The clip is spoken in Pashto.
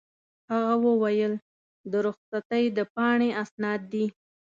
هغه وویل: د رخصتۍ د پاڼې اسناد دي.